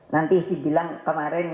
nanti si bilang kemarin